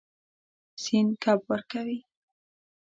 سیند کب ورکوي.